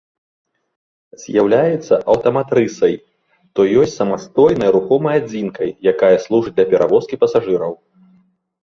З'яўляецца аўтаматрысай, то ёсць самастойнай рухомай адзінкай, якая служыць для перавозкі пасажыраў.